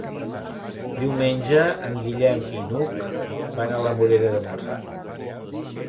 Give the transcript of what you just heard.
Diumenge en Guillem i n'Hug van a la Morera de Montsant.